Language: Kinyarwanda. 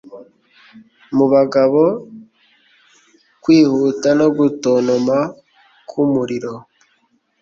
Mu bagabo kwihuta no gutontoma k'umuriro,